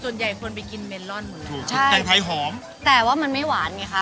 ส่วนใหญ่คนไปกินเมลอนหมดเลยถูกใช่แกงไทยหอมแต่ว่ามันไม่หวานไงคะ